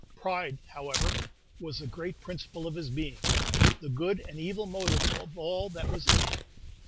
Pride, however, was the great principle of his being, the good and evil motive of all that was in him.